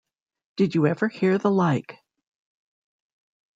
Did you ever hear the like?